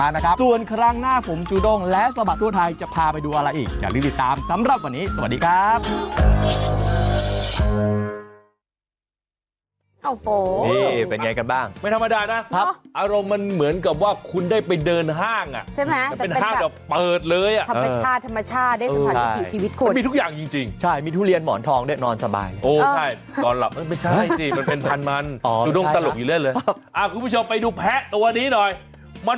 มานะครับส่วนครั้งหน้าผมจุดงและสมัครทั่วทายจะพาไปดูอะไรอีกอย่าลืมติดตามสำหรับวันนี้สวัสดีครับ